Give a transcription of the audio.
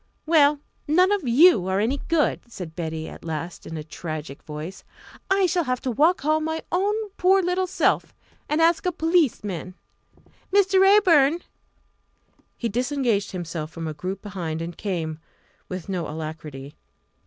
"Well, none of you are any good!" said Betty at last, in a tragic voice. "I shall have to walk home my own poor little self, and 'ask a p'leeceman.' Mr. Raeburn!" He disengaged himself from a group behind and came with no alacrity.